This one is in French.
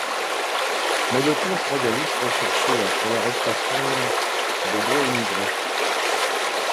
Mais le comte, royaliste, recherché après l'arrestation de doit émigrer.